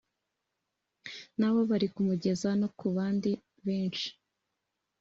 nabo bari kumugeza no ku bandi benshi